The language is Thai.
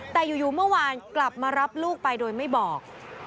แต่อยู่เมื่อวานกลับมารับลูกไปโดยไม่บอก